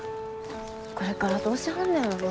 これからどうしはんねやろな。